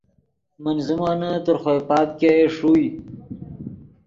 من زیمونے تر خوئے پاپ ګئے ݰوئے